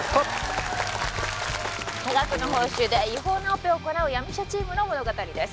多額の報酬で違法なオペを行う闇医者チームの物語です